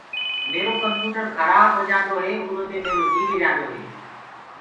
ميرو ڪمپيوٽر کرآب هوجآندو هي اُرو دي ميرو جي ڏريآندوئي۔